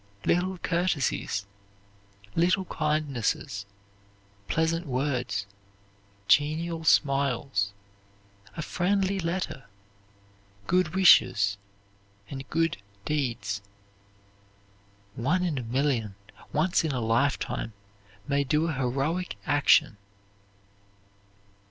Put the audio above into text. Little courtesies, little kindnesses, pleasant words, genial smiles, a friendly letter, good wishes, and good deeds. One in a million once in a lifetime may do a heroic action.